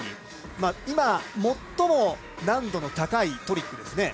今、最も難度の高いトリックです。